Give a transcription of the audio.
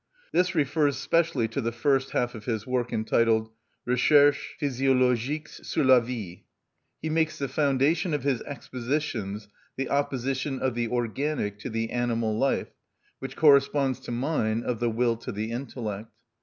This refers specially to the first half of his work, entitled "Recherches physiologiques sur la vie." He makes the foundation of his expositions the opposition of the organic to the animal life, which corresponds to mine of the will to the intellect.